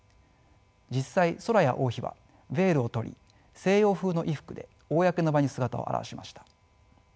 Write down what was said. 実際ソラヤ王妃はヴェールを取り西洋風の衣服で公の場に姿を現しました。